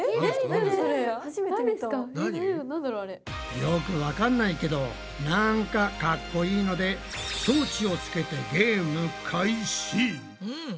よくわかんないけどなんかかっこいいので装置をつけてゲーム開始！